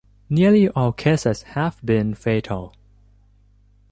Nearly all cases have been fatal.